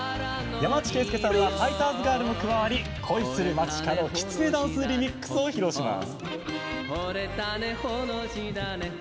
山内惠介さんはファイターズガールも加わり「恋する街角きつねダンスＲｅｍｉｘ」を披露します！